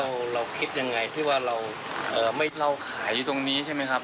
เราคิดยังไงที่ว่าเราขายอยู่ตรงนี้ใช่ไหมครับ